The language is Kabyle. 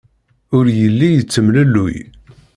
Ur yelli yettemlelluy.